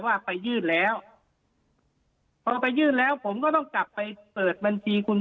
ว่าไปยื่นแล้วพอไปยื่นแล้วผมก็ต้องกลับไปเปิดบัญชีคุณ